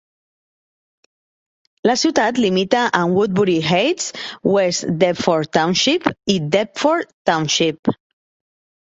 La ciutat limita amb Woodbury Heights, West Deptford Township i Deptford Township.